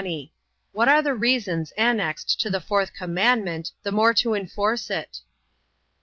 What are the reasons annexed to the fourth commandment, the more to enforce it?